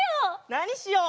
なにしよう？